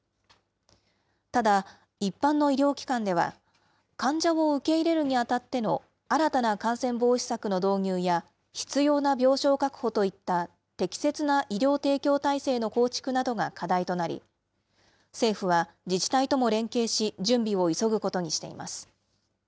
ただ、一般の医療機関では、患者を受け入れるにあたっての新たな感染防止策の導入や、必要な病床確保といった適切な医療提供体制の構築などが課題となり、政府は自治体とも連携し、準備を急ぐことにしています。